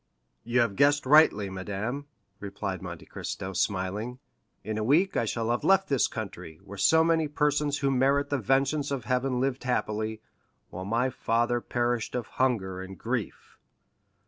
"You have guessed rightly, madame," replied Monte Cristo, smiling; "in a week I shall have left this country, where so many persons who merit the vengeance of Heaven lived happily, while my father perished of hunger and grief."